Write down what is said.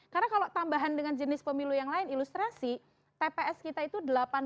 karena kalau tambahan dengan jenis pemilu yang lain ilustrasi tps kita itu delapan ratus tiga belas tiga ratus lima puluh